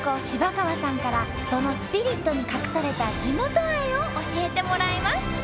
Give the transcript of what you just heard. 芝川さんからそのスピリットに隠された地元愛を教えてもらいます！